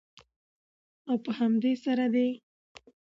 او په همدې سره د